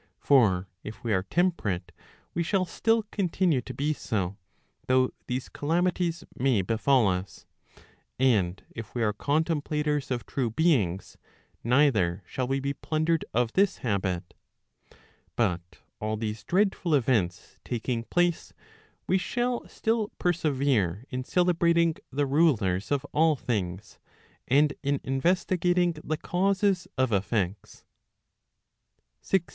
For if we are temperate, we shall still continue to be so, though these calamities may befal us, and if we are con tern plators of true beings, neither shall we be plundered of this habit; but all these dreadful events taking place, we shall still persevere in cele¬ brating the rulers of all things, and in investigating the causes of effects. 16 .